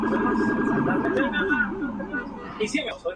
Para nosotros no es un negocio: es una pasión.